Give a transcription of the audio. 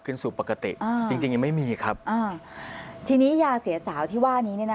ขึ้นสู่ปกติจริงยังไม่มีครับทีนี้ยาเสียสาวนะนี้